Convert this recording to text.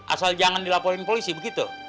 asal jangan dilaporin polisi begitu